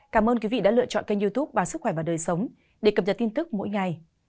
cảm ơn quý vị đã lựa chọn kênh youtube báo sức khỏe và đời sống để cập nhật tin tức mỗi ngày